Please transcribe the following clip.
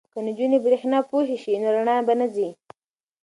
که نجونې بریښنا پوهې شي نو رڼا به نه ځي.